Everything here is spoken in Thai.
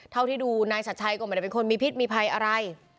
เท่าที่ดูนายชัดชัยก็ไม่ได้เป็นคนมีพิษมีภัยอะไร